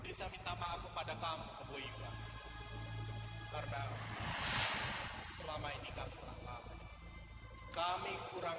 desa minta maaf kepada kamu keboiwa karena selama ini kami kurang menghormati pengorbanan